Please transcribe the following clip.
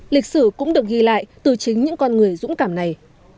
lịch sử cũng được ghi lại từ chính những con người dũng cảm này